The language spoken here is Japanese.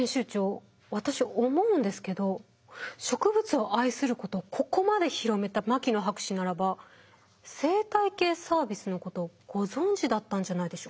私思うんですけど植物を愛することをここまで広めた牧野博士ならば生態系サービスのことをご存じだったんじゃないでしょうか？